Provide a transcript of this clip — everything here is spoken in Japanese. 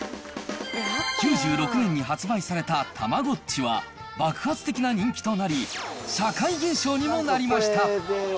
９６年に発売されたたまごっちは、爆発的な人気となり、社会現象にもなりました。